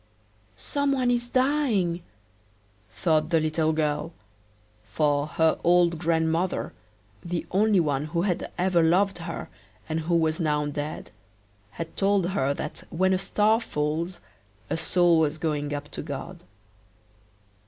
"Some one is dying," thought the little girl, for her old grandmother, the only one who had ever loved her, and who was now dead, had told her that when a star falls, a soul was going up to God.